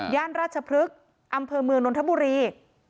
ราชพฤกษ์อำเภอเมืองนนทบุรี